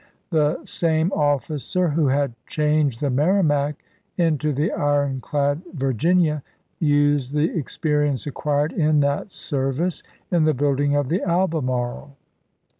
The same officer who had changed the Merrimac into the ironclad Vir ginia used the experience acquired in that service in the building of the Albemarle.